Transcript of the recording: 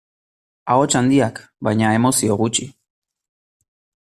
Ahots handiak, baina emozio gutxi.